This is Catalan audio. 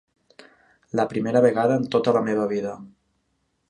La primera vegada en tota la meva vida.